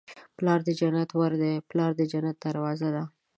پلار د جنت ور دی. پلار د جنت دروازه ده